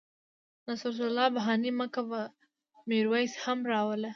نصرت الله بهاني مه کوه میرویس هم را وله